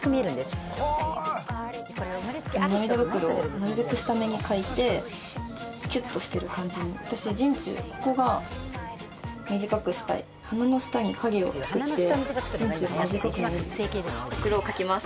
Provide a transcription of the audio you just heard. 涙袋をなるべく下めに描いてキュッとしてる感じに私人中ここが短くしたい作って人中が短く見えるほくろを描きます